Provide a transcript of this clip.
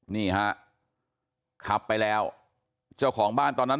นี่เหรอครับคลับไปแล้วเจ้าของบ้านตอนนั้น